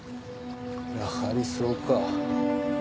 やはりそうか。